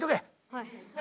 はい。